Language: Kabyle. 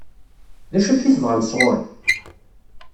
D acu akka i tebɣam sɣur-i?